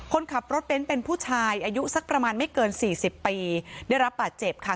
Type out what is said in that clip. คนขับรถเบ้นเป็นผู้ชายอายุสักประมาณไม่เกินสี่สิบปีได้รับบาดเจ็บค่ะ